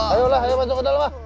ayo lah ayo masuk ke dalam pak